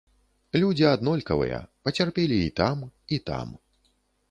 Людзі аднолькавыя, пацярпелі і там, і там.